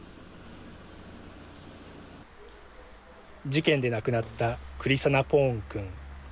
事件で亡くなったクリサナポーンくん。